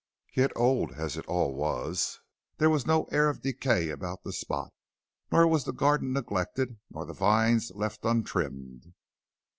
Yet old as it all was, there was no air of decay about the spot, nor was the garden neglected or the vines left untrimmed.